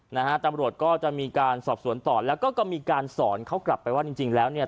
นะฮะตำรวจก็จะมีการสอบสวนต่อแล้วก็ก็มีการสอนเขากลับไปว่าจริงจริงแล้วเนี่ย